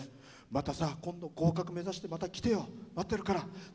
またさ、今度は合格目指してまた来てよ、待ってるから。